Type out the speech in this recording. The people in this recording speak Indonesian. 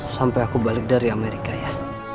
sampai aku balik dari amerika ya